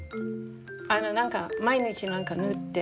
あの何か毎日何か塗って？